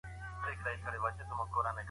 څوک چي واده ته پورونه کوي، هغه ژر پريشانيږي.